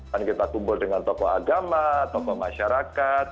dan kita kumpul dengan tokoh agama tokoh masyarakat